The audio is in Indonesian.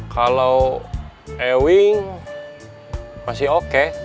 kalau ewing masih oke